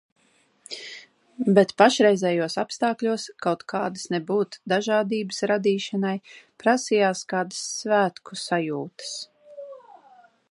Bet pašreizējos apstākļos kaut kādas nebūt dažādības radīšanai prasījās kādas svētku sajūtas.